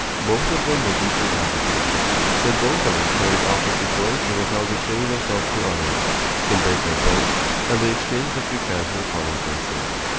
Both of them were deeply agitated, yet both of them carried off the situation without betraying themselves to others, Gambetta approached, and they exchanged a few casual commonplaces.